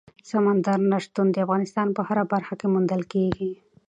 سمندر نه شتون د افغانستان په هره برخه کې موندل کېږي.